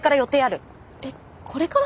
えっこれから？